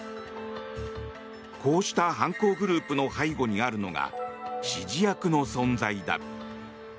こうした犯行グループの背後にあるのが指示役の存在だ。